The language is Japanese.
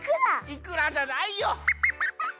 イクラじゃないよ！